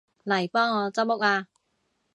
嚟幫我執屋吖